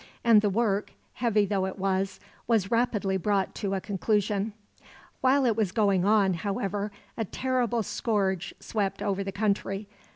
And the work, heavy though it was, was rapidly brought to a conclusion. While it was going on, however, a terrible scourge swept over the country.